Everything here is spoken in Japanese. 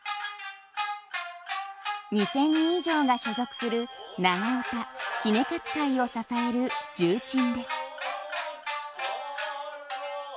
２，０００人以上が所属する長唄杵勝会を支える重鎮です。